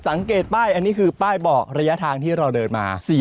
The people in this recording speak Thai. สังเกตป้ายอันนี้คือป้ายบอกระยะทางที่เราเดินมา